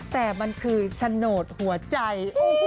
แต่มันคือโฉนดหัวใจ